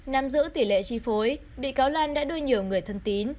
nằm giữ tỷ lệ tri phối bị cáo lan đã đôi nhiều người thân tín